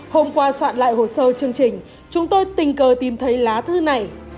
hôm qua soạn lại hồ sơ chương trình chúng tôi tình cờ tìm thấy lá thư này